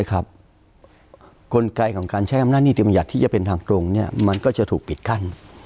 กลไกของการใช้อำนาจนิติบัญญัติที่จะเป็นทางตรงมันก็จะถูกปิดกั้น